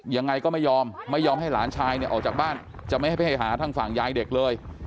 ยังไงก็ไม่ยอมไม่ยอมให้หลานชายเนี่ยออกจากบ้านจะไม่ให้ไปให้หาทางฝั่งยายเด็กเลย